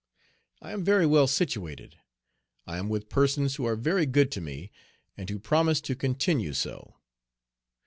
I am very well situated. I am with persons who are very good to me, and who promise to continue so.